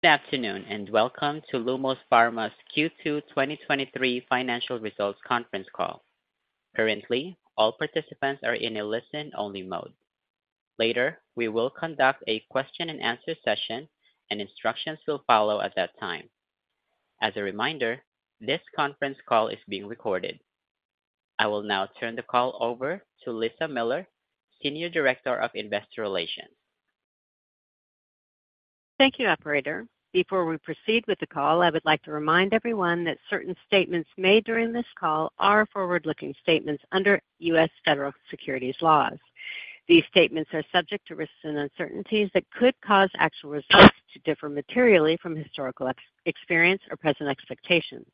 Good afternoon, and welcome to Lumos Pharma's Q2 2023 financial results conference call. Currently, all participants are in a listen-only mode. Later, we will conduct a question and answer session, and instructions will follow at that time. As a reminder, this conference call is being recorded. I will now turn the call over to Lisa Miller, Senior Director of Investor Relations. Thank you, operator. Before we proceed with the call, I would like to remind everyone that certain statements made during this call are forward-looking statements under U.S. federal securities laws. These statements are subject to risks and uncertainties that could cause actual results to differ materially from historical experience or present expectations.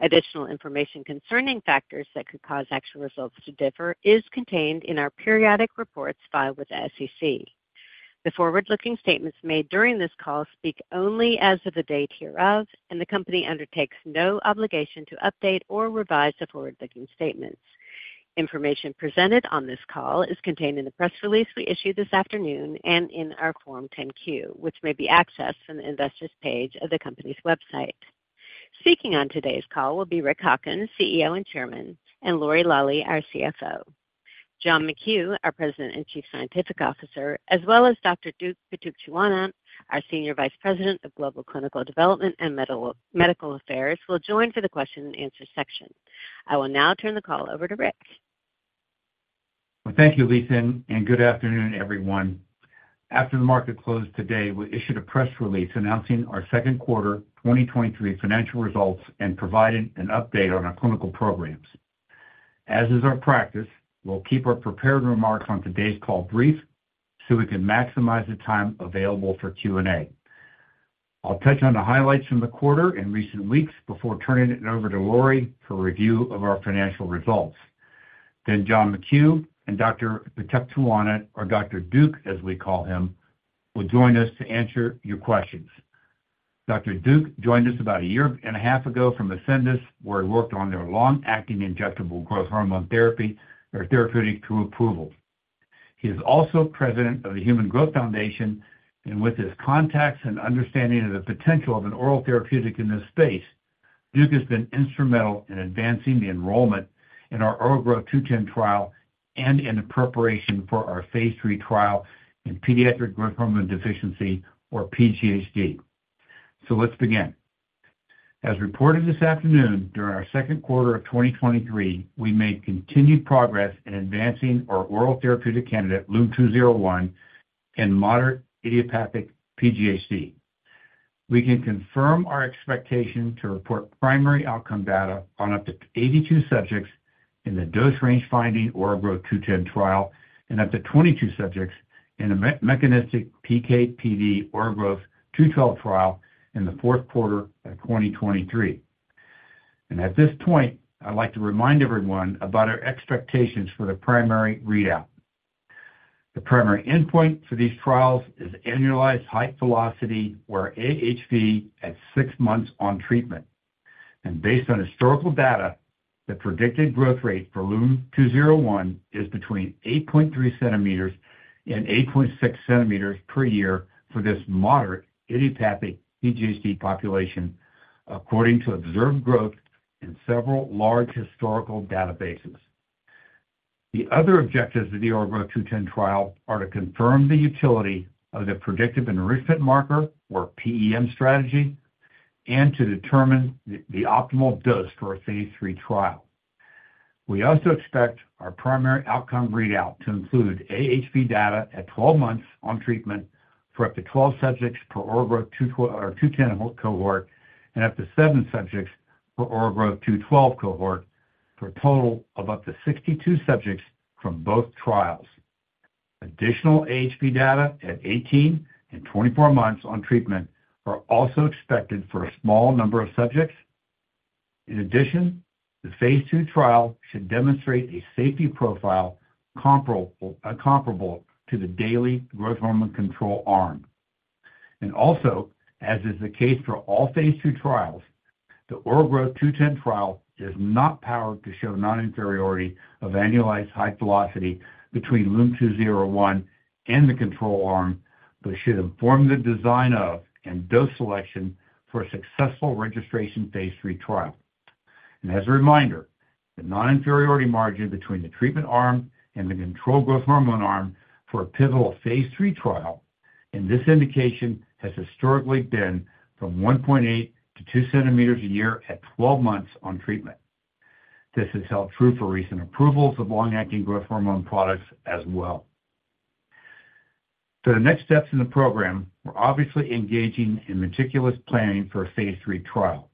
Additional information concerning factors that could cause actual results to differ is contained in our periodic reports filed with the SEC. The forward-looking statements made during this call speak only as of the date hereof, and the company undertakes no obligation to update or revise the forward-looking statements. Information presented on this call is contained in the press release we issued this afternoon and in our Form 10-Q, which may be accessed from the Investors page of the company's website. Speaking on today's call will be Rick Hawkins, CEO and Chairman, and Lori Lawley, our CFO. John McKew, our President and Chief Scientific Officer, as well as Dr. Pisit Pitukcheewanont, our Senior Vice President of Global Clinical Development and Medical Affairs, will join for the question and answer section. I will now turn the call over to Rick. Well, thank you, Lisa. Good afternoon, everyone. After the market closed today, we issued a press release announcing our Q2 2023 financial results and providing an update on our clinical programs. As is our practice, we'll keep our prepared remarks on today's call brief so we can maximize the time available for Q&A. I'll touch on the highlights from the quarter in recent weeks before turning it over to Lori for a review of our financial results. John McKew and Dr. Pitukcheewanont, or Dr. Duke, as we call him, will join us to answer your questions. Dr. Duke joined us about a year and a half ago from Ascendis, where he worked on their long-acting injectable growth hormone therapy or therapeutic to approval. He is also president of the Human Growth Foundation, and with his contacts and understanding of the potential of an oral therapeutic in this space, Duke has been instrumental in advancing the enrollment in our OraGrowtH210 trial and in the preparation for our phase III trial in pediatric growth hormone deficiency, or PGHD. Let's begin. As reported this afternoon, during our Q2 of 2023, we made continued progress in advancing our oral therapeutic candidate, LUM-201, in moderate idiopathic PGHD. We can confirm our expectation to report primary outcome data on up to 82 subjects in the dose range-finding OraGrowtH210 trial and up to 22 subjects in a mechanistic PK/PD OraGrowtH212 trial in the Q4 of 2023. At this point, I'd like to remind everyone about our expectations for the primary readout. The primary endpoint for these trials is annualized height velocity, or AHV, at six months on treatment. Based on historical data, the predicted growth rate for LUM-201 is between 8.3 cm and 8.6 cm per year for this moderate idiopathic PGHD population, according to observed growth in several large historical databases. The other objectives of the OraGrowtH210 trial are to confirm the utility of the predictive enrichment marker, or PEM strategy, and to determine the optimal dose for a phase III trial. We also expect our primary outcome readout to include AHV data at 12 months on treatment for up to 12 subjects per OraGrowtH210 cohort, and up to seven subjects for OraGrowtH212 cohort, for a total of up to 62 subjects from both trials. Additional AHV data at 18 and 24 months on treatment are also expected for a small number of subjects. In addition, the phase II trial should demonstrate a safety profile comparable, comparable to the daily growth hormone control arm. Also, as is the case for all phase II trials, the OraGrowtH210 trial is not powered to show non-inferiority of annualized height velocity between LUM-201 and the control arm, but should inform the design of and dose selection for a successful registration phase III trial. As a reminder, the non-inferiority margin between the treatment arm and the control growth hormone arm for a pivotal phase III trial in this indication has historically been from 1.8 to 2 cm a year at 12 months on treatment. This has held true for recent approvals of long-acting growth hormone products as well. The next steps in the program, we're obviously engaging in meticulous planning for a phase 3 trial.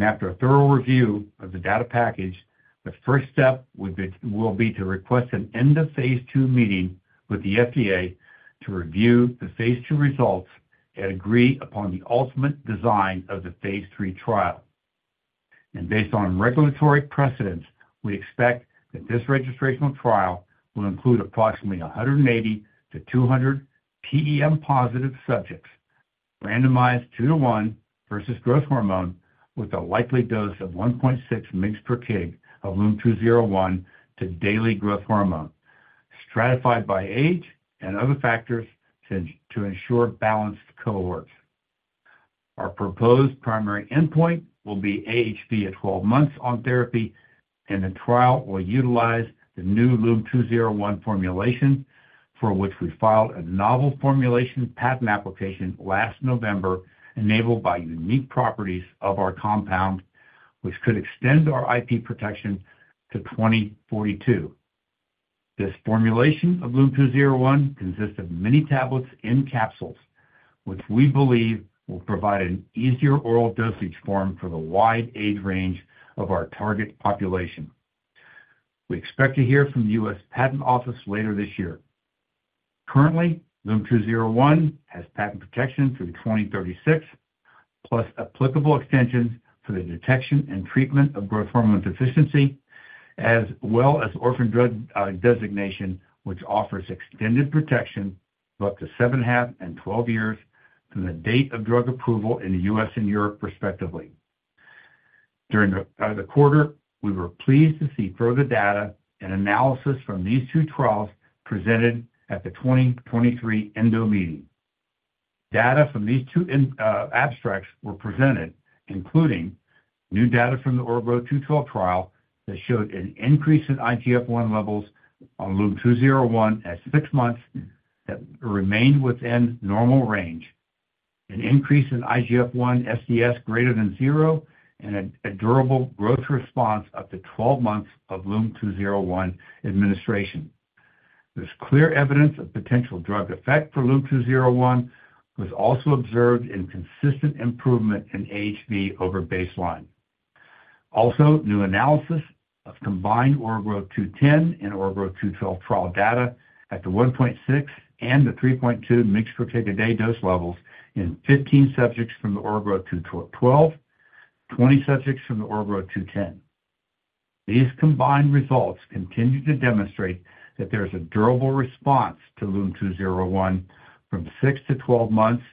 After a thorough review of the data package, the first step will be to request an End-of-phase II meeting with the FDA to review the phase II results and agree upon the ultimate design of the phase III trial. Based on regulatory precedents, we expect that this registrational trial will include approximately 180-200 PEM-positive subjects, randomized 2 to 1 versus growth hormone, with a likely dose of 1.6 mg/kg of LUM-201 to daily growth hormone stratified by age and other factors to ensure balanced cohorts. Our proposed primary endpoint will be AHV at 12 months on therapy. The trial will utilize the new LUM-201 formulation, for which we filed a novel formulation patent application last November, enabled by unique properties of our compound, which could extend our IP protection to 2042. This formulation of LUM-201 consists of mini-tablets in capsules, which we believe will provide an easier oral dosage form for the wide age range of our target population. We expect to hear from the US Patent Office later this year. Currently, LUM-201 has patent protection through 2036, plus applicable extensions for the detection and treatment of growth hormone deficiency, as well as orphan drug designation, which offers extended protection for up to 7.5 and 12 years from the date of drug approval in the US and Europe, respectively. During the quarter, we were pleased to see further data and analysis from these two trials presented at the 2023 Endo meeting. Data from these two abstracts were presented, including new data from the OraGrowtH212 trial that showed an increase in IGF-1 levels on LUM-201 at 6 months that remained within normal range, an increase in IGF-1 SDS greater than 0, and a durable growth response up to 12 months of LUM-201 administration. This clear evidence of potential drug effect for LUM-201 was also observed in consistent improvement in AHV over baseline. Also, new analysis of combined OraGrowtH210 and OraGrowtH212 trial data at the 1.6 and the 3.2 mgs per kg a day dose levels in 15 subjects from the OraGrowtH212, 20 subjects from the OraGrowtH210. These combined results continue to demonstrate that there is a durable response to LUM-201 from 6 to 12 months,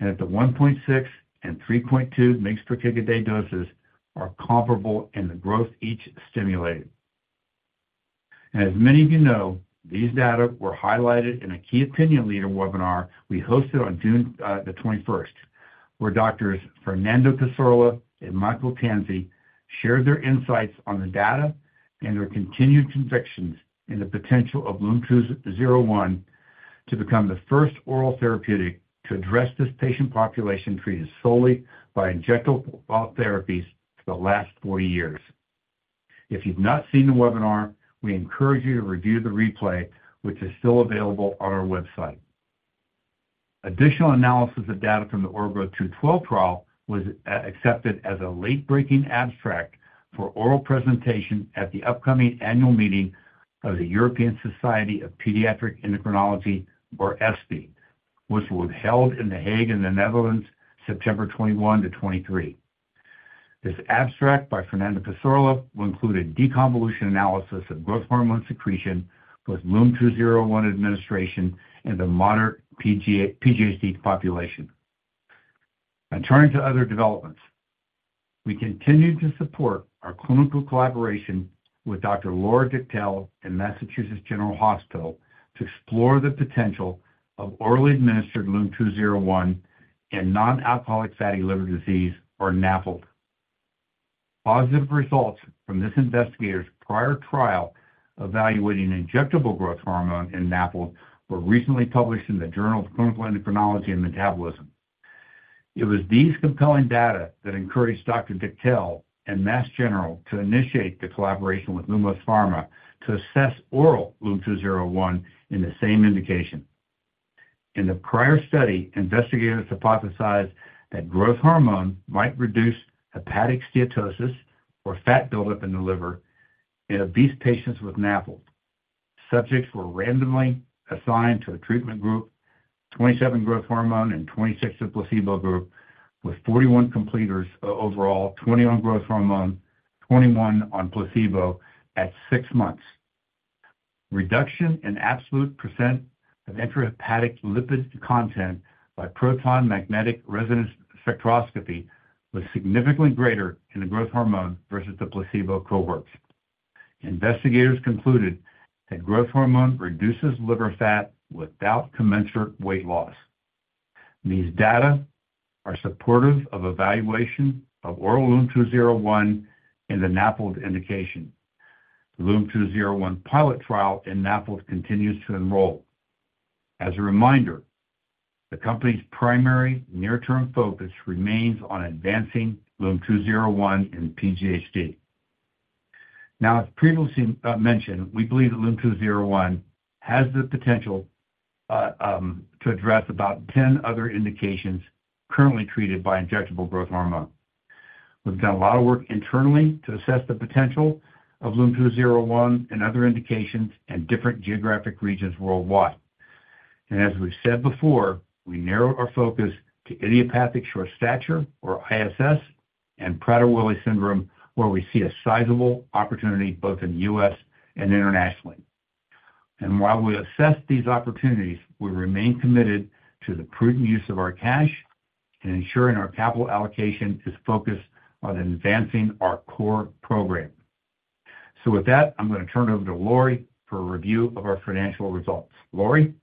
at the 1.6 and 3.2 mgs per kg a day doses are comparable in the growth each stimulated. As many of you know, these data were highlighted in a key opinion leader webinar we hosted on June 21st, where Doctors Fernando Cassorla and Michael Tansey shared their insights on the data and their continued convictions in the potential of LUM-201 to become the first oral therapeutic to address this patient population treated solely by injectable therapies for the last 40 years. If you've not seen the webinar, we encourage you to review the replay, which is still available on our website. Additional analysis of data from the OraGrowtH212 trial was accepted as a late-breaking abstract for oral presentation at the upcoming annual meeting of the European Society for Paediatric Endocrinology, or ESPE, which was held in The Hague in the Netherlands, September 21 to 23. This abstract by Fernando Cassorla will include a deconvolution analysis of growth hormone secretion with LUM-201 administration and the moderate PGHD population. Now turning to other developments. We continue to support our clinical collaboration with Dr. Laura Dichtel in Massachusetts General Hospital, to explore the potential of orally administered LUM-201 in non-alcoholic fatty liver disease, or NAFLD. Positive results from this investigator's prior trial evaluating injectable growth hormone in NAFLD were recently published in the Journal of Clinical Endocrinology and Metabolism. It was these compelling data that encouraged Dr. Dichtel and Mass General to initiate the collaboration with Lumos Pharma to assess oral LUM-201 in the same indication. In the prior study, investigators hypothesized that growth hormone might reduce hepatic steatosis, or fat buildup in the liver, in obese patients with NAFLD. Subjects were randomly assigned to a treatment group, 27 growth hormone and 26 to the placebo group, with 41 completers overall, 21 growth hormone, 21 on placebo at 6 months. Reduction in absolute percent of intrahepatic lipid content by proton magnetic resonance spectroscopy was significantly greater in the growth hormone versus the placebo cohorts. Investigators concluded that growth hormone reduces liver fat without commensurate weight loss. These data are supportive of evaluation of oral LUM-201 in the NAFLD indication. The LUM-201 pilot trial in NAFLD continues to enroll. As a reminder, the company's primary near-term focus remains on advancing LUM-201 in PGHD. Now, as previously mentioned, we believe that LUM-201 has the potential to address about 10 other indications currently treated by injectable growth hormone. We've done a lot of work internally to assess the potential of LUM-201 in other indications and different geographic regions worldwide. As we've said before, we narrowed our focus to idiopathic short stature, or ISS, and Prader-Willi syndrome, where we see a sizable opportunity both in the US and internationally. While we assess these opportunities, we remain committed to the prudent use of our cash and ensuring our capital allocation is focused on advancing our core program. With that, I'm going to turn it over to Lori for a review of our financial results. Lori?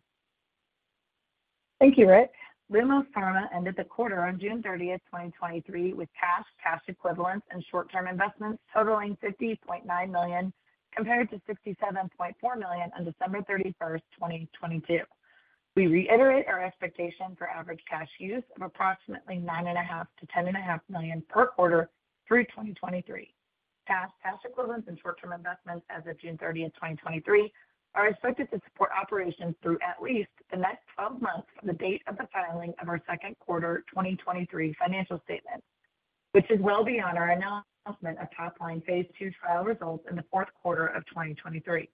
Thank you, Rick. Lumos Pharma ended the quarter on June 30, 2023, with cash, cash equivalents, and short-term investments totaling $50.9 million, compared to $67.4 million on December 31, 2022. We reiterate our expectation for average cash use of approximately $9.5 million to 10.5 million per quarter through 2023. Cash, cash equivalents, and short-term investments as of June 30, 2023, are expected to support operations through at least the next 12 months from the date of the filing of our Q2 2023 financial statement, which is well beyond our announcement of top-line phase II trial results in the Q4 of 2023.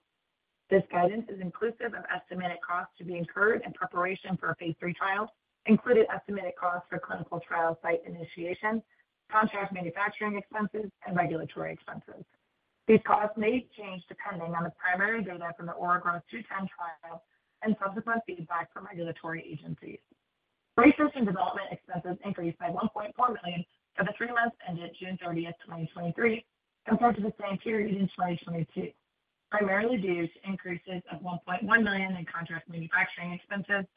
This guidance is inclusive of estimated costs to be incurred in preparation for a phase III trial, including estimated costs for clinical trial site initiation, contract manufacturing expenses, and regulatory expenses. These costs may change depending on the primary data from the OraGrowtH210 trial and subsequent feedback from regulatory agencies. Research and development expenses increased by $1.4 million for the 3 months ended June 30, 2023, compared to the same period in 2022, primarily due to increases of $1.1 million in contract manufacturing expenses,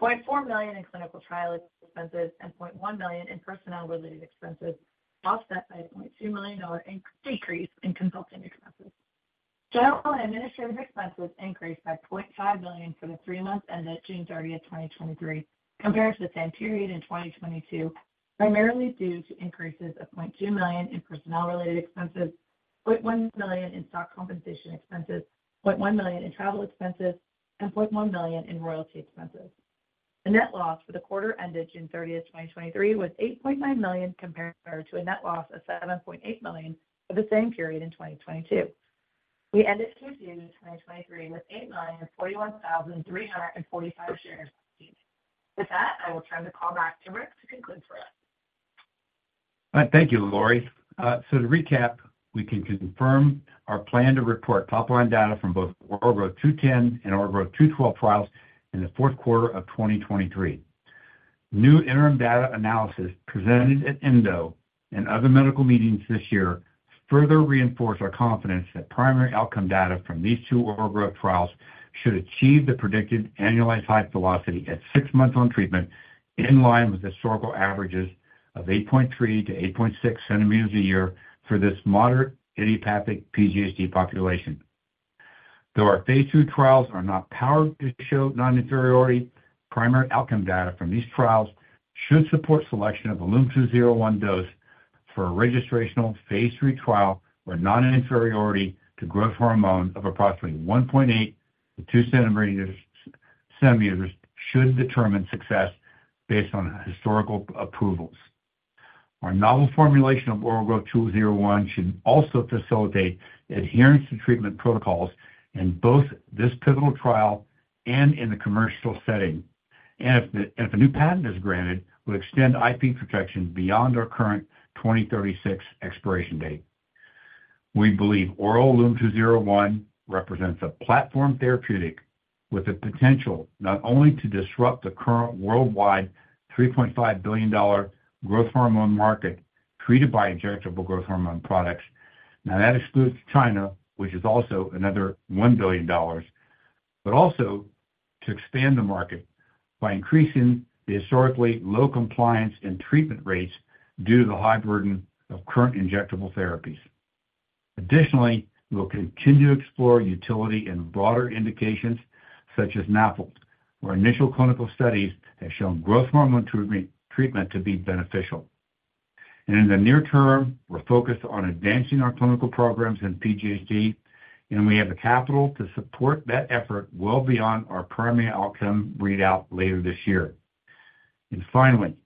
$0.4 million in clinical trial expenses, and $0.1 million in personnel-related expenses, offset by a $0.2 million decrease in consulting expenses. General and Administrative expenses increased by $0.5 million for the 3 months ended June 30, 2023, compared to the same period in 2022, primarily due to increases of $0.2 million in personnel-related expenses, $0.1 million in stock compensation expenses, $0.1 million in travel expenses, and $0.1 million in royalty expenses. The net loss for the quarter ended June 30, 2023, was $8.9 million, compared to a net loss of $7.8 million for the same period in 2022. We ended Q2 2023 with 8,041,345 shares. With that, I will turn the call back to Rick to conclude for us. All right. Thank you, Lori. To recap, we can confirm our plan to report top-line data from both OraGrowtH210 and OraGrowtH212 trials in the Q4 of 2023. New interim data analysis presented at Endo and other medical meetings this year further reinforce our confidence that primary outcome data from these two OraGrowtH trials should achieve the predicted annualized height velocity at 6 months on treatment, in line with historical averages of 8.3 to 8.6 centimeters a year for this moderate idiopathic PGHD population. Though our phase II trials are not powered to show non-inferiority, primary outcome data from these trials should support selection of the LUM-201 dose for a registrational phase III trial, where non-inferiority to growth hormone of approximately 1.8 to 2 centimeters, centimeters should determine success based on historical approvals. Our novel formulat`ion of ORALGROW201 should also facilitate adherence to treatment protocols in both this pivotal trial and in the commercial setting, and if a new patent is granted, will extend IP protection beyond our current 2036 expiration date. We believe oral LUM-201 represents a platform therapeutic with the potential not only to disrupt the current worldwide $3.5 billion growth hormone market treated by injectable growth hormone products, now, that excludes China, which is also another $1 billion, but also to expand the market by increasing the historically low compliance and treatment rates due to the high burden of current injectable therapies. Additionally, we will continue to explore utility in broader indications such as NAFLD, where initial clinical studies have shown growth hormone treatment to be beneficial. In the near term, we're focused on advancing our clinical programs in PGHD, and we have the capital to support that effort well beyond our primary outcome readout later this year. Finally,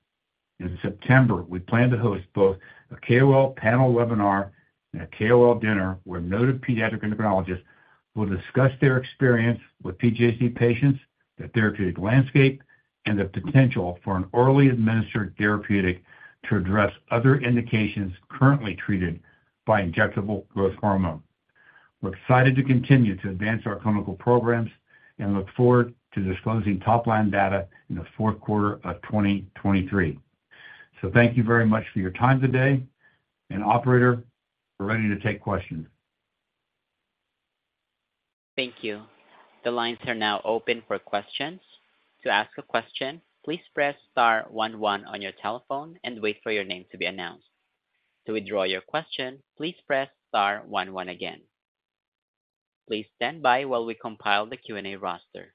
in September, we plan to host both a KOL panel webinar and a KOL dinner, where noted pediatric endocrinologists will discuss their experience with PGHD patients, the therapeutic landscape, and the potential for an orally administered therapeutic to address other indications currently treated by injectable growth hormone. We're excited to continue to advance our clinical programs and look forward to disclosing top-line data in the Q4 of 2023. Thank you very much for your time today, and operator, we're ready to take questions. Thank you. The lines are now open for questions. To ask a question, please press star one one on your telephone and wait for your name to be announced. To withdraw your question, please press star one one again. Please stand by while we compile the Q&A roster.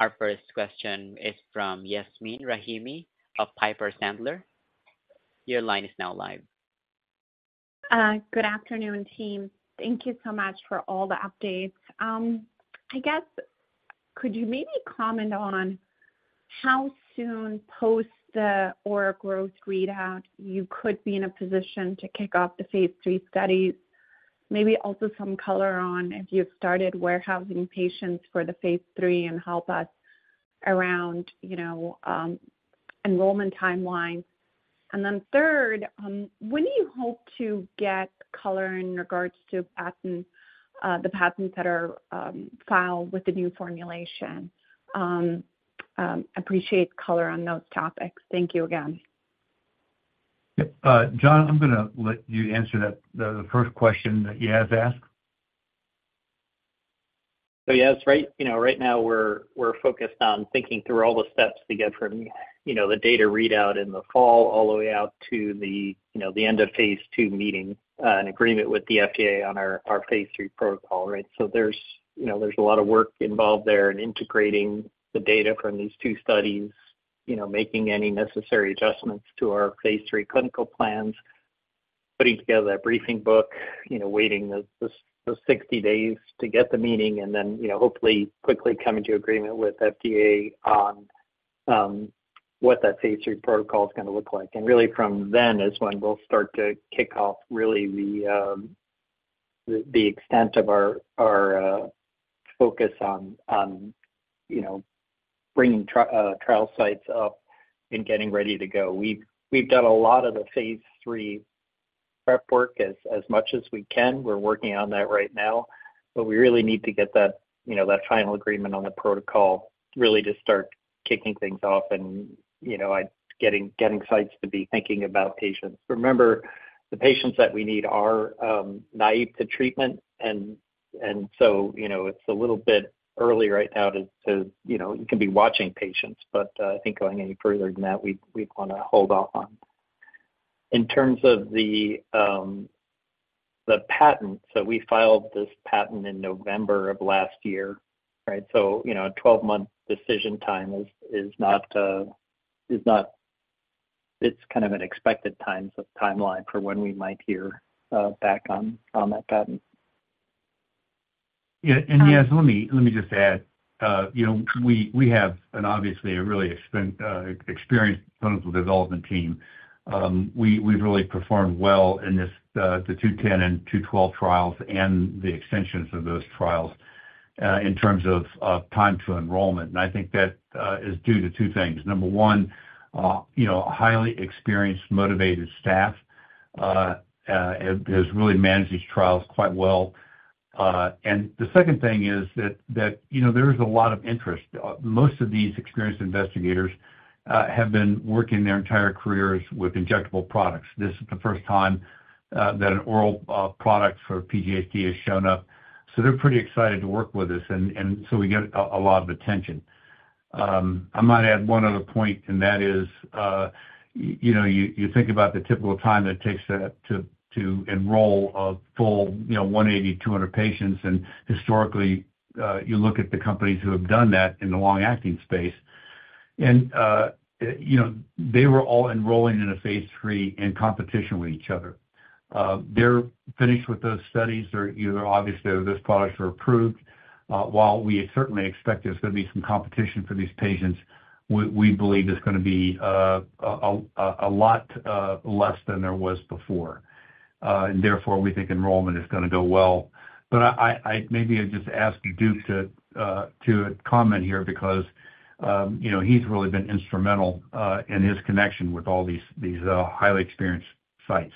Our first question is from Yasmeen Rahimi of Piper Sandler. Your line is now live. Good afternoon, team. Thank you so much for all the updates. I guess, could you maybe comment on how soon post the OraGrow readout you could be in a position to kick off the phase III studies? Maybe also some color on if you've started warehousing patients for the phase III, and help us around, you know, enrollment timelines? Third, when do you hope to get color in regards to patents, the patents that are filed with the new formulation? Appreciate color on those topics. Thank you again. Yep. John, I'm gonna let you answer that, the, the first question that Yaz asked. Yes, right, you know, right now we're, we're focused on thinking through all the steps to get from, you know, the data readout in the fall all the way out to the, you know, the End-of-phase II meeting and agreement with the FDA on our, our phase III protocol, right? There's, you know, there's a lot of work involved there in integrating the data from these 2 studies, you know, making any necessary adjustments to our phase III clinical plans, putting together that briefing book, you know, waiting the, the, the 60 days to get the meeting, and then, you know, hopefully quickly coming to agreement with FDA on what that phase III protocol is gonna look like. Really from then is when we'll start to kick off really the extent of our focus on, on, you know, bringing trial sites up and getting ready to go. We've, we've done a lot of the phase III prep work as, as much as we can. We're working on that right now, but we really need to get that, you know, that final agreement on the protocol really to start kicking things off and, you know, getting, getting sites to be thinking about patients. Remember, the patients that we need are naive to treatment and, and so, you know, it's a little bit early right now to, to, you know, you can be watching patients, but I think going any further than that, we, we'd wanna hold off on. In terms of the patent, we filed this patent in November of last year, right? You know, a 12-month decision time is, is not. It's kind of an expected times, timeline for when we might hear back on, on that patent. Yeah, Yaz, let me, let me just add, you know, we have an obviously a really experienced clinical development team. We've really performed well in this, the OraGrowtH210 and OraGrowtH212 trials and the extensions of those trials, in terms of time to enrollment, and I think that is due to two things. Number one, you know, a highly experienced, motivated staff has really managed these trials quite well. The second thing is that, you know, there is a lot of interest. Most of these experienced investigators have been working their entire careers with injectable products. This is the first time that an oral product for PGHD has shown up, so they're pretty excited to work with us, so we get a lot of attention. I might add one other point, and that is you know, you think about the typical time that it takes to enroll a full, you know, 180, 200 patients, Historically, you look at the companies who have done that in the long-acting space, you know, they were all enrolling in a phase III in competition with each other. They're finished with those studies. They're either obviously, those products are approved. While we certainly expect there's gonna be some competition for these patients, we believe there's gonna be a lot less than there was before. Therefore, we think enrollment is gonna go well. I maybe I'd just ask Duke to comment here because, you know, he's really been instrumental in his connection with all these, these, highly experienced sites.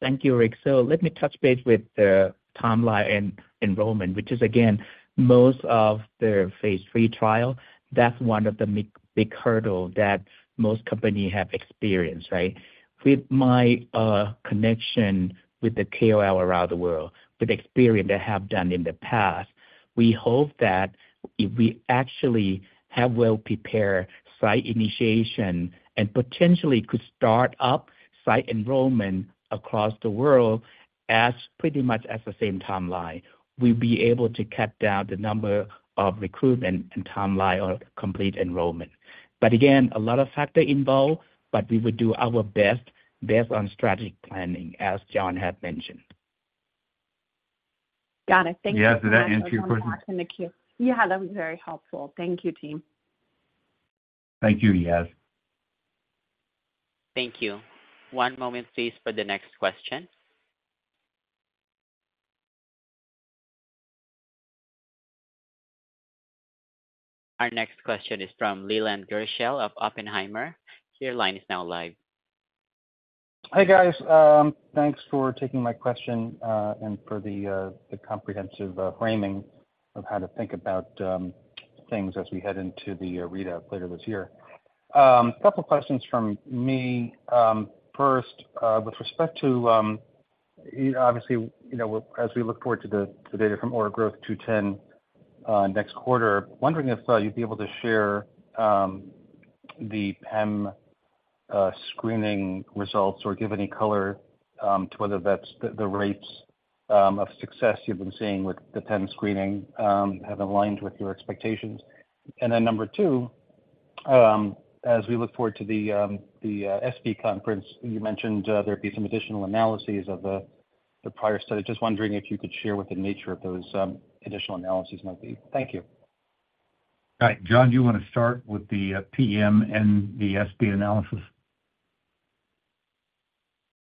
Thank you, Rick. Let me touch base with the timeline and enrollment, which is, again, most of the phase III trial, that's one of the big, big hurdle that most companies have experienced, right? With my connection with the KOL around the world, with experience they have done in the past, we hope that if we actually have well-prepared site initiation and potentially could start up site enrollment across the world as pretty much as the same timeline, we'll be able to cut down the number of recruitment and timeline or complete enrollment. Again, a lot of factor involved, but we will do our best based on strategic planning, as John had mentioned. Got it. Thank you- Yaz, did that answer your question? In the queue. Yeah, that was very helpful. Thank you, team. Thank you, Yaz. Thank you. One moment please, for the next question. Our next question is from Leland Gerschel of Oppenheimer. Your line is now live. Hi, guys. Thanks for taking my question and for the comprehensive framing of how to think about things as we head into the readout later this year. Couple questions from me. First, with respect to, obviously, you know, as we look forward to the data from OraGrowtH210 next quarter, wondering if you'd be able to share the PEM screening results or give any color to whether that's the rates of success you've been seeing with the PEM screening have aligned with your expectations? Then 2, as we look forward to the ESPE conference, you mentioned there'd be some additional analyses of the prior study. Just wondering if you could share what the nature of those additional analyses might be. Thank you. All right, John, do you wanna start with the PEM and the SB analysis?...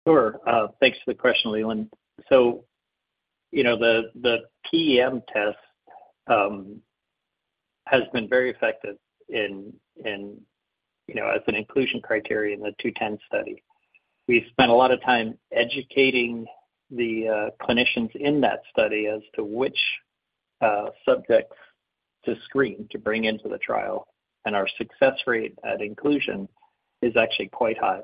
Sure. Thanks for the question, Leland. The PEM test has been very effective in, in, you know, as an inclusion criteria in the OraGrowtH210 study. We've spent a lot of time educating the clinicians in that study as to which subjects to screen to bring into the trial, and our success rate at inclusion is actually quite high,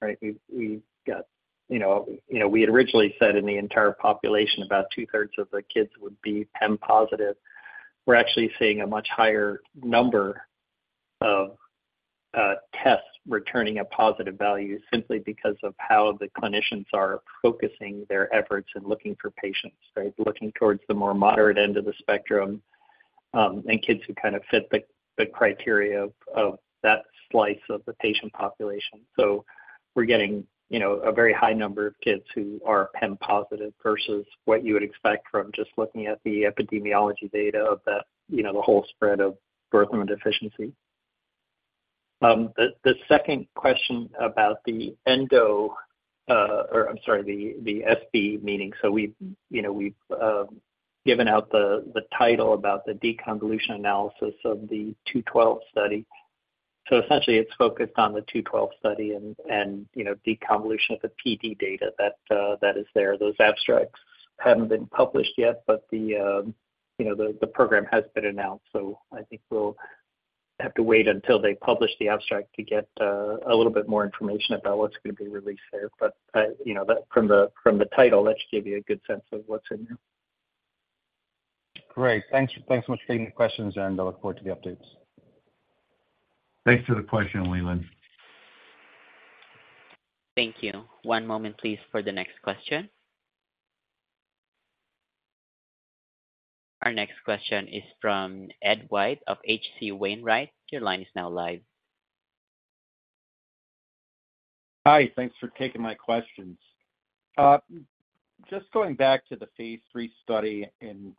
right? We've, we've got, you know, you know, we had originally said in the entire population, about two-thirds of the kids would be PEM positive. We're actually seeing a much higher number of tests returning a positive value simply because of how the clinicians are focusing their efforts and looking for patients, right? Looking towards the more moderate end of the spectrum, and kids who kind of fit the, the criteria of, of that slice of the patient population. We're getting, you know, a very high number of kids who are PEM positive versus what you would expect from just looking at the epidemiology data of the, you know, the whole spread of growth hormone deficiency. The, the second question about the Endo, the, the ESPE meeting. We've, you know, we've, given out the, the title about the deconvolution analysis of the 212 study. Essentially, it's focused on the 212 study and, and, you know, deconvolution of the PD data that, that is there. Those abstracts haven't been published yet, but the, you know, the, the program has been announced. I think we'll have to wait until they publish the abstract to get, a little bit more information about what's gonna be released there. You know, the, from the, from the title, that should give you a good sense of what's in there. Great. Thanks, thanks so much for taking the questions. I look forward to the updates. Thanks for the question, Leland. Thank you. One moment, please, for the next question. Our next question is from Ed White of H.C. Wainwright. Your line is now live. Hi, thanks for taking my questions. Just going back to the phase III study, and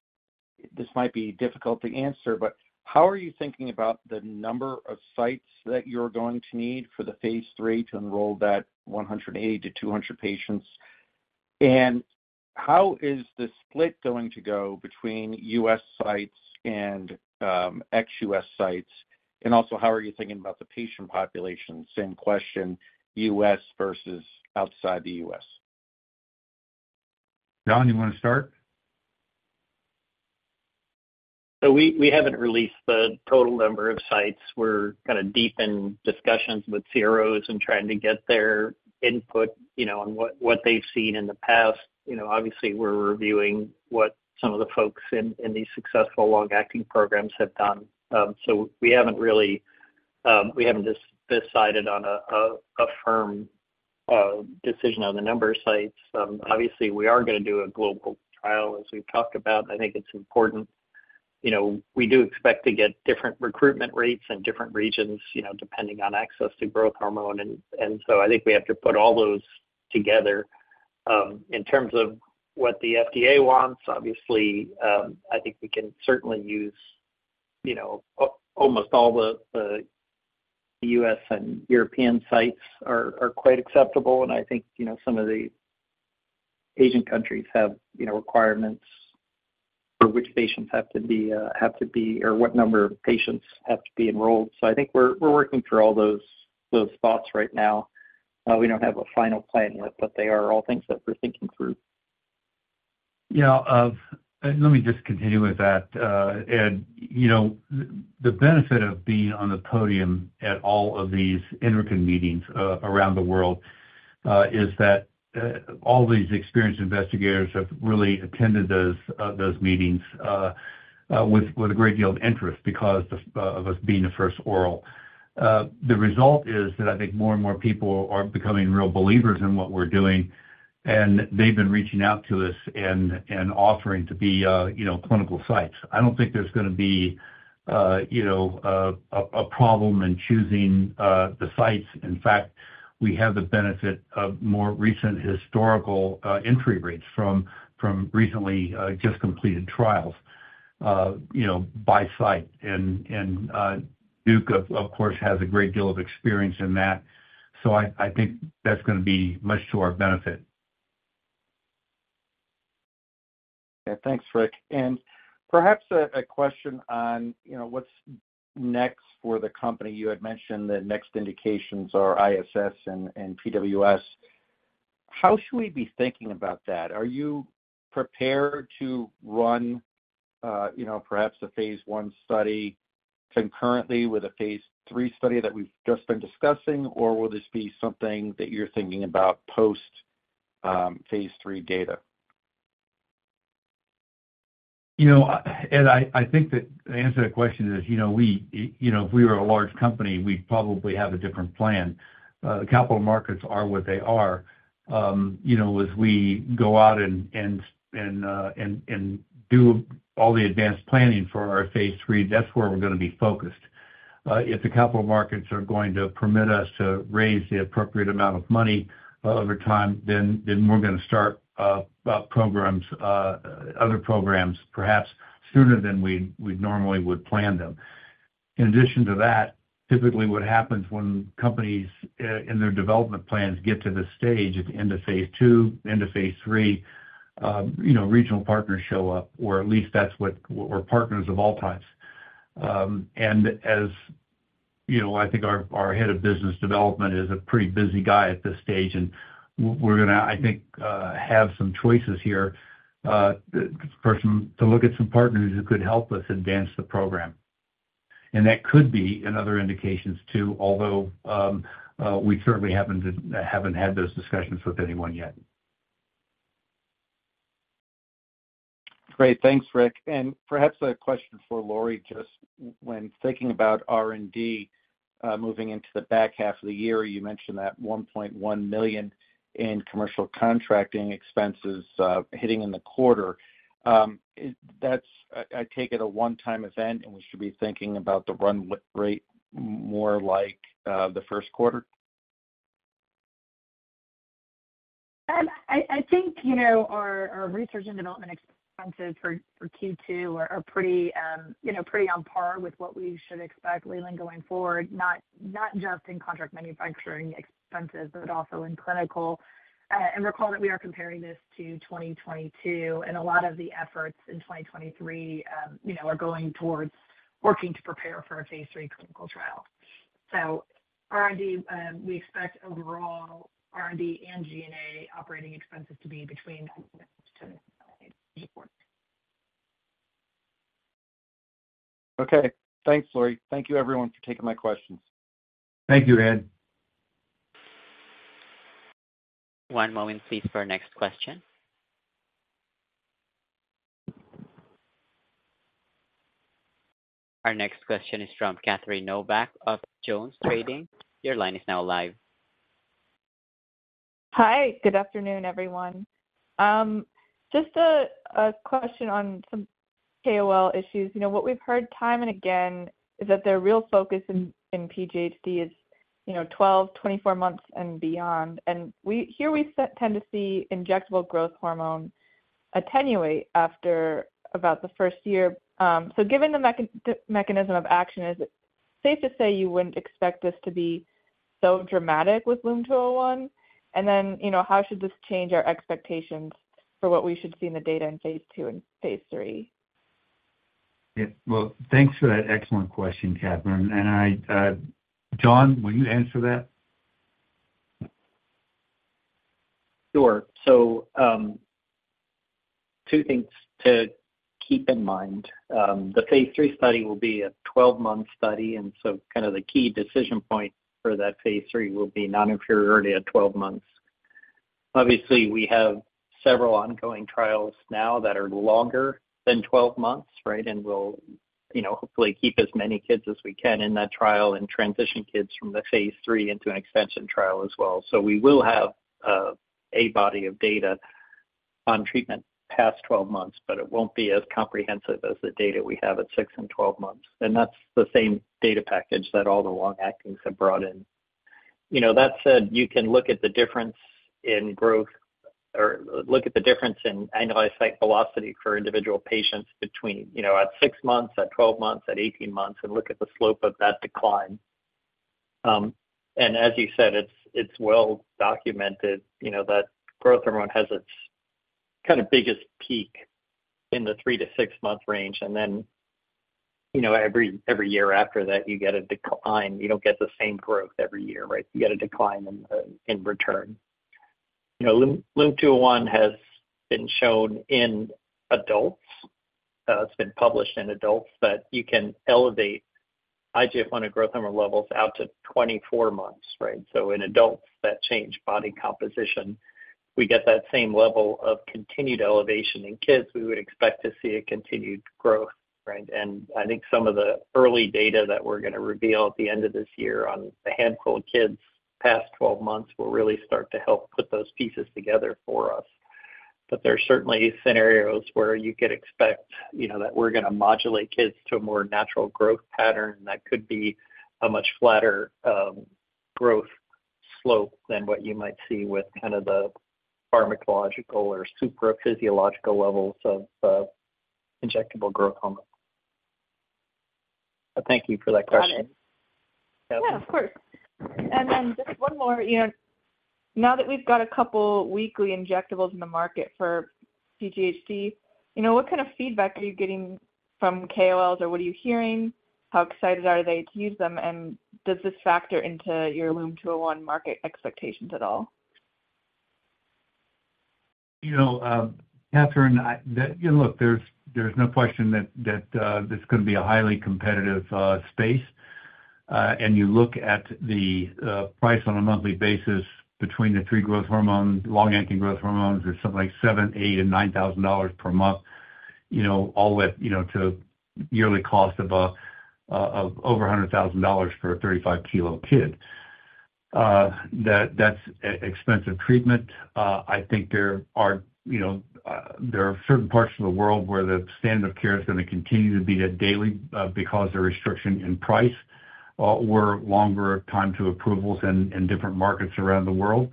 this might be difficult to answer, but how are you thinking about the number of sites that you're going to need for the phase III to enroll that 180-200 patients? How is the split going to go between US sites and ex-US sites? How are you thinking about the patient population? Same question, US versus outside the US. John, you wanna start? We, we haven't released the total number of sites. We're kind of deep in discussions with CROs and trying to get their input, you know, on what, what they've seen in the past. You know, obviously, we're reviewing what some of the folks in, in these successful long-acting programs have done. We haven't really, we haven't decided on a, a, a firm decision on the number of sites. Obviously, we are gonna do a global trial, as we've talked about. I think it's important. You know, we do expect to get different recruitment rates in different regions, you know, depending on access to growth hormone. I think we have to put all those together. In terms of what the FDA wants, obviously, I think we can certainly use, you know, almost all the US and European sites are quite acceptable. I think, you know, some of the Asian countries have, you know, requirements for which patients have to be, have to be or what number of patients have to be enrolled. I think we're working through all those, those spots right now. We don't have a final plan yet, but they are all things that we're thinking through. Yeah, let me just continue with that. Ed, you know, the benefit of being on the podium at all of these Endocrine meetings, around the world, is that all these experienced investigators have really attended those, those meetings, with, with a great deal of interest because of, of us being a first oral. The result is that I think more and more people are becoming real believers in what we're doing, and they've been reaching out to us and, and offering to be, you know, clinical sites. I don't think there's gonna be, you know, a, a problem in choosing, the sites. In fact, we have the benefit of more recent historical, entry rates from, from recently, just completed trials, you know, by site. Duke, of course, has a great deal of experience in that. I think that's gonna be much to our benefit. Yeah. Thanks, Rick. Perhaps a, a question on, you know, what's next for the company. You had mentioned the next indications are ISS and PWS. How should we be thinking about that? Are you prepared to run, you know, perhaps a phase I study concurrently with a phase III study that we've just been discussing, or will this be something that you're thinking about post phase III data? You know, Ed, I, I think that the answer to that question is, you know, we, you know, if we were a large company, we'd probably have a different plan. Capital markets are what they are. You know, as we go out and, and, and, and, and do all the advanced planning for our phase III, that's where we're gonna be focused. If the capital markets are going to permit us to raise the appropriate amount of money over time, then, then we're gonna start programs, other programs perhaps sooner than we normally would plan them. In addition to that, typically what happens when companies in their development plans get to this stage at the end of phase II, end of phase III, you know, regional partners show up, or at least partners of all types. As you know, I think our, our head of business development is a pretty busy guy at this stage, and we're gonna, I think, have some choices here, for some, to look at some partners who could help us advance the program. That could be in other indications, too, although, we certainly haven't, haven't had those discussions with anyone yet. Great. Thanks, Rick. Perhaps a question for Lori. Just when thinking about R&D, moving into the back half of the year, you mentioned that $1.1 million in commercial contracting expenses, hitting in the quarter. That's, I, I take it, a one-time event, and we should be thinking about the run rate more like the Q1? I, I think, you know, our, our research and development expenses for, for Q2 are, are pretty, you know, pretty on par with what we should expect, Leland, going forward. Not, not just in contract manufacturing expenses, but also in clinical. And recall that we are comparing this to 2022, and a lot of the efforts in 2023, you know, are going towards working to prepare for a phase III clinical trial. So R&D, we expect overall R&D and G&A operating expenses to be between. Okay. Thanks, Lori. Thank you everyone for taking my questions. Thank you, Ed. One moment please, for our next question. Our next question is from Catherine Novack of Jones Trading. Your line is now live. Hi. Good afternoon, everyone. Just a question on some KOL issues. You know, what we've heard time and again is that their real focus in, in PGHD is, you know, 12, 24 months and beyond. Here we tend to see injectable growth hormone attenuate after about the first year. So given the mechanism of action, is it safe to say you wouldn't expect this to be so dramatic with LUM-201? Then, you know, how should this change our expectations for what we should see in the data in phase II and phase III? Yeah. Well, thanks for that excellent question, Catherine. John, will you answer that? Sure. Two things to keep in mind. The phase III study will be a 12-month study, and so kind of the key decision point for that phase III will be non-inferiority at 12 months. Obviously, we have several ongoing trials now that are longer than 12 months, right? We'll, you know, hopefully, keep as many kids as we can in that trial and transition kids from the phase III into an extension trial as well. We will have a body of data on treatment past 12 months, but it won't be as comprehensive as the data we have at 6 and 12 months. That's the same data package that all the long-actings have brought in. You know, that said, you can look at the difference in growth, or look at the difference in annualized height velocity for individual patients between, you know, at 6 months, at 12 months, at 18 months, and look at the slope of that decline. As you said, it's, it's well documented, you know, that growth hormone has its kind of biggest peak in the 3 to 6-month range, and then, you know, every, every year after that, you get a decline. You don't get the same growth every year, right? You get a decline in return. You know, LUM-201 has been shown in adults, it's been published in adults, that you can elevate IGF-I growth hormone levels out to 24 months, right? In adults, that change body composition, we get that same level of continued elevation. In kids, we would expect to see a continued growth, right? I think some of the early data that we're gonna reveal at the end of this year on a handful of kids past 12 months will really start to help put those pieces together for us. There are certainly scenarios where you could expect, you know, that we're gonna modulate kids to a more natural growth pattern, that could be a much flatter growth slope than what you might see with kind of the pharmacological or supraphysiological levels of injectable growth hormone. Thank you for that question. Got it. Yeah. Yeah, of course. Just one more, you know, now that we've got a couple weekly injectables in the market for PGHD, you know, what kind of feedback are you getting from KOLs, or what are you hearing? How excited are they to use them, and does this factor into your LUM-201 market expectations at all? You know, Catherine, look, there's, there's no question that, that this is gonna be a highly competitive space. You look at the price on a monthly basis between the three growth hormone, long-acting growth hormones, there's something like $7,000, $8,000, and $9,000 per month, you know, all the way, you know, to yearly cost of over $100,000 for a 35-kilo kid. That's expensive treatment. I think there are, you know, there are certain parts of the world where the standard of care is gonna continue to be a daily because of the restriction in price. Or longer time to approvals in different markets around the world.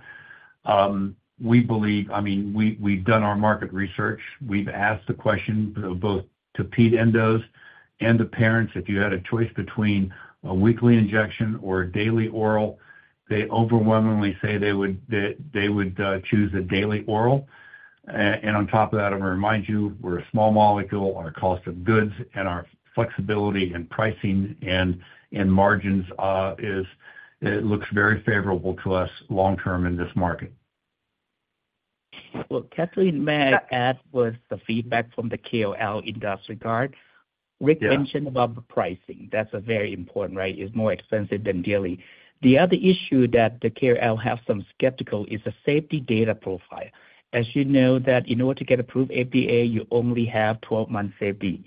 We believe, I mean, we, we've done our market research. We've asked the question both to ped endos and to parents, "If you had a choice between a weekly injection or a daily oral?" They overwhelmingly say they would, they, they would, choose a daily oral. On top of that, I'm gonna remind you, we're a small molecule. Our cost of goods and our flexibility in pricing and, and margins, is, it looks very favorable to us long term in this market. Well, Kathleen, may I add with the feedback from the KOL industry experts? Yeah. Rick mentioned about the pricing. That's a very important, right? It's more expensive than daily. The other issue that the KOL have some skeptical is the safety data profile. As you know, that in order to get approved FDA, you only have 12-month safety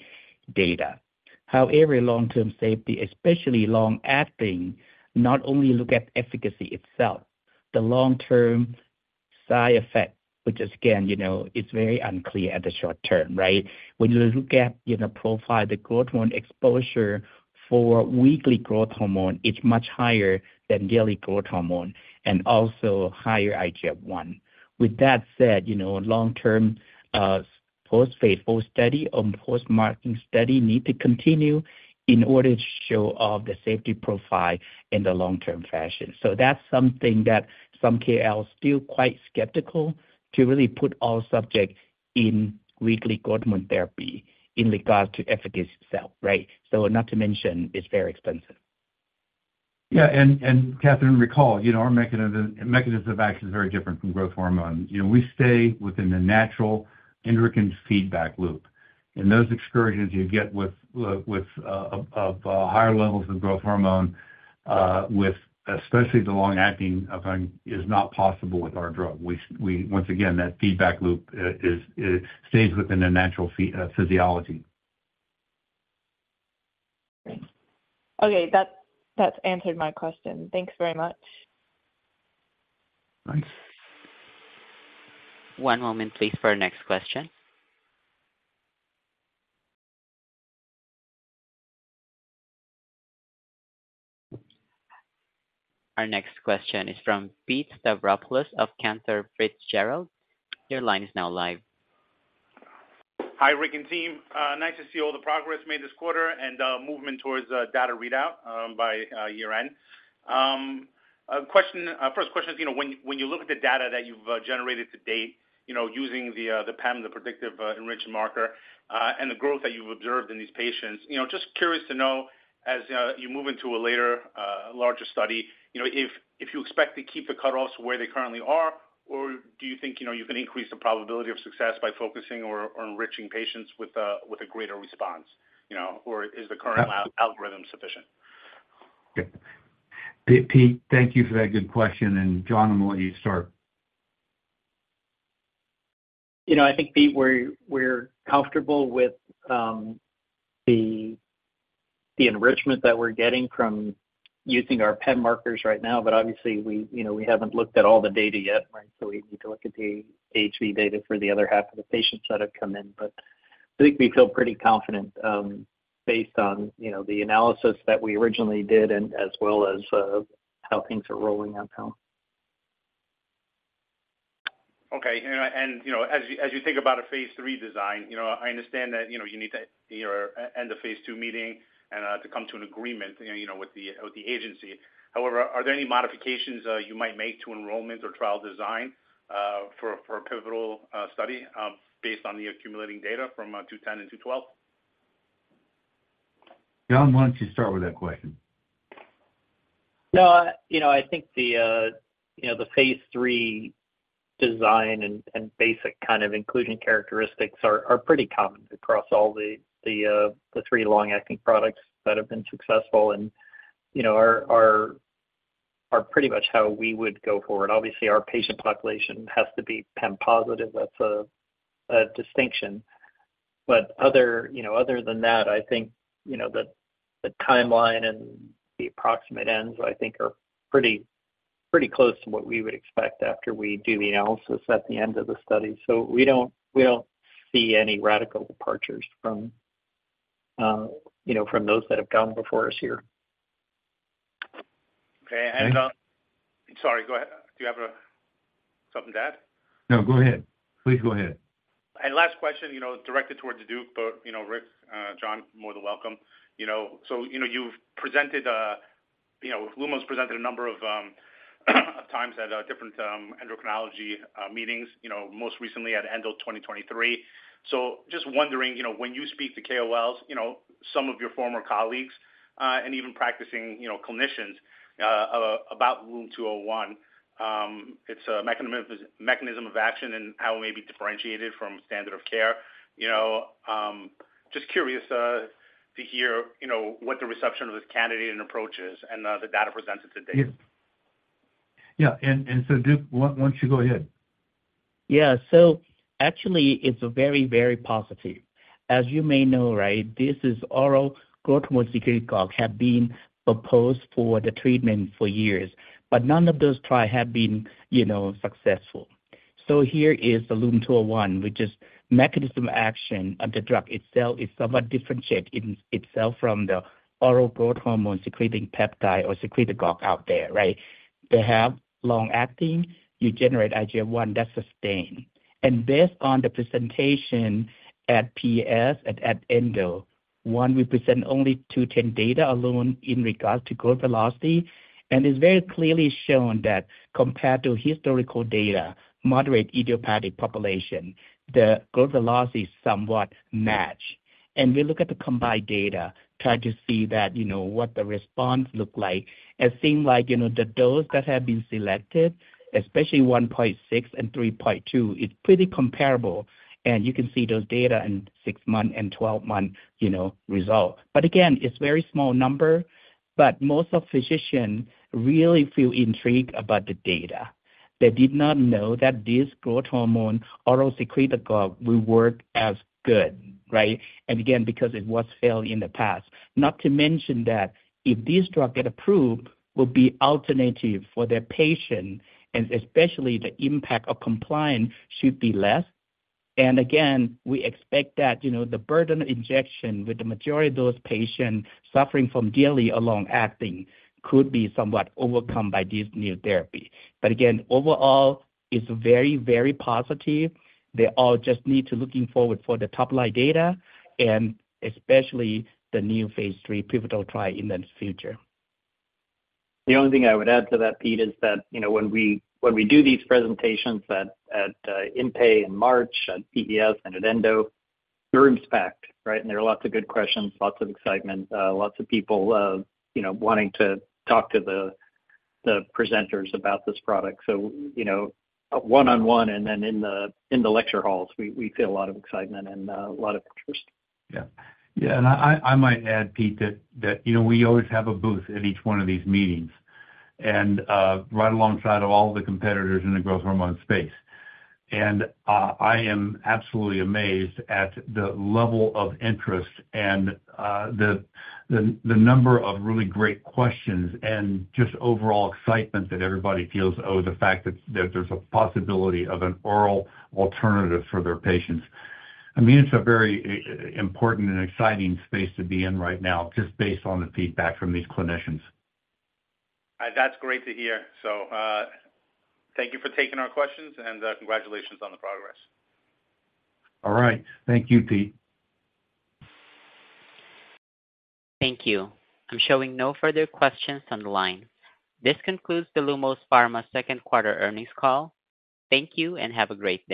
data. However, long-term safety, especially long-acting, not only look at efficacy itself, the long-term side effect, which is again, you know, it's very unclear at the short term, right? When you look at, you know, profile, the growth hormone exposure for weekly growth hormone, it's much higher than daily growth hormone and also higher IGF-1. With that said, you know, long-term, post-phase IV study and postmarketing study need to continue in order to show off the safety profile in the long-term fashion. That's something that some KOLs still quite skeptical to really put all subject in weekly growth hormone therapy in regards to efficacy itself, right? Not to mention, it's very expensive. Yeah, Catherine, recall, you know, our mechanism, mechanism of action is very different from growth hormone. You know, we stay within the natural Endocrine feedback loop, and those excursions you get with, with, of higher levels of growth hormone, with, especially the long-acting, is not possible with our drug. once again, that feedback loop, is, it stays within the natural phy, physiology. Great. Okay, that, that's answered my question. Thanks very much. Thanks. One moment, please, for our next question. Our next question is from Pete Stavropoulos of Cantor Fitzgerald. Your line is now live. Hi, Rick and team. Nice to see all the progress made this quarter and movement towards data readout by year-end. A question, first question is, you know, when, when you look at the data that you've generated to date, you know, using the PEM, the predictive enrichment marker, and the growth that you've observed in these patients, you know, just curious to know, as you move into a later, larger study, you know, if, if you expect to keep the cutoffs where they currently are, or do you think, you know, you can increase the probability of success by focusing or, or enriching patients with a, with a greater response, you know, or is the current algorithm sufficient? Okay. Pete, thank you for that good question, John, I'm gonna let you start. You know, I think, Pete, we're, we're comfortable with the enrichment that we're getting from using our PEM markers right now, but obviously we, you know, we haven't looked at all the data yet, right? We need to look at the AHV data for the other half of the patients that have come in. I think we feel pretty confident, based on, you know, the analysis that we originally did and as well as how things are rolling out now. Okay, and, and, you know, as you, as you think about a phase III design, you know, I understand that, you know, you need to, you know, end the phase II meeting and to come to an agreement, you know, with the, with the agency. However, are there any modifications, you might make to enrollment or trial design, for, for a pivotal study, based on the accumulating data from 210 and 212? John, why don't you start with that question? No, you know, I think the, you know, the phase III design and, and basic kind of including characteristics are, are pretty common across all the, the, the three long-acting products that have been successful and, you know, are, are, are pretty much how we would go forward. Obviously, our patient population has to be PEM positive. That's a, a distinction. Other, you know, other than that, I think, you know, the, the timeline and the approximate ends, I think, are pretty, pretty close to what we would expect after we do the analysis at the end of the study. We don't, we don't see any radical departures from, you know, from those that have gone before us here. Okay. Thanks. Sorry, go ahead. Do you have, something to add? No, go ahead. Please, go ahead. Last question, you know, directed towards Duke, but, you know, Rick, John, more than welcome. You know, you've presented, you know, Lumos presented a number of times at different endocrinology meetings, you know, most recently at Endo 2023. Just wondering, you know, when you speak to KOLs, you know, some of your former colleagues, and even practicing, you know, clinicians about LUM-201, it's a mechanism, mechanism of action and how it may be differentiated from standard of care. You know, just curious to hear, you know, what the reception of this candidate and approach is and the data presented today. Yeah, Duke, why don't you go ahead? Yeah. Actually, it's very, very positive. As you may know, right, this is oral growth hormone secretagogue have been proposed for the treatment for years, but none of those trial have been, you know, successful. Here is the LUM-201, which is mechanism action, and the drug itself is somewhat differentiated in itself from the oral growth hormone-secreting peptide or secretagogue out there, right? They have long-acting, you generate IGF-1 that's sustained. Based on the presentation at PES and at Endo, one, we present only 210 data alone in regards to growth velocity, and it's very clearly shown that compared to historical data, moderate idiopathic population, the growth velocity is somewhat matched. We look at the combined data, trying to see that, you know, what the response look like. It seem like, you know, the dose that have been selected, especially 1.6 and 3.2, it's pretty comparable, and you can see those data in 6 month and 12 month, you know, result. Again, it's very small number, but most of physician really feel intrigued about the data. They did not know that this growth hormone, oral secretagogue, will work as good, right? Again, because it was failed in the past. Not to mention that if this drug get approved, will be alternative for their patient, and especially the impact of compliance should be less. Again, we expect that, you know, the burden injection with the majority of those patients suffering from daily along acting could be somewhat overcome by this new therapy. Again, overall, it's very, very positive. They all just need to looking forward for the top-line data and especially the new phase III pivotal trial in the future. The only thing I would add to that, Pete, is that, you know, when we, when we do these presentations at, at IMPE and March and PES and at Endo, the room's packed, right? There are lots of good questions, lots of excitement, lots of people, you know, wanting to talk to the presenters about this product. You know, one-on-one and then in the lecture halls, we, we feel a lot of excitement and a lot of interest. Yeah. Yeah, I, I, I might add, Pete, that, that, you know, we always have a booth at each one of these meetings, right alongside of all the competitors in the growth hormone space. I am absolutely amazed at the level of interest and the, the, the number of really great questions and just overall excitement that everybody feels over the fact that, that there's a possibility of an oral alternative for their patients. I mean, it's a very important and exciting space to be in right now, just based on the feedback from these clinicians. That's great to hear. Thank you for taking our questions, and congratulations on the progress. All right. Thank you, Pete. Thank you. I'm showing no further questions on the line. This concludes the Lumos Pharma Q2 Earnings Call. Thank you, and have a great day.